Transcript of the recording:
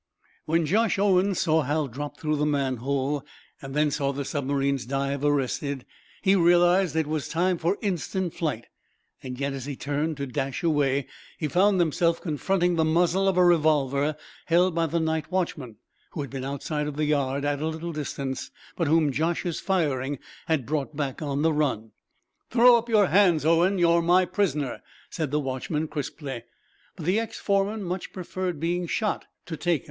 When Josh Owen saw Hal drop through the manhole, and then saw the submarine's dive arrested, he realized that it was time for instant flight. Yet, as he turned to dash away, he found himself confronting the muzzle of a revolver held by the night watchman, who had been outside the yard at a little distance, but whom Josh's firing had brought back on the run. "Throw up your hands, Owen. You're my prisoner," said the watchman, crisply. But the ex foreman much preferred being shot to taken.